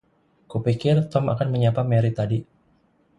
Ku pikir Tom akan menyapa Mary tadi.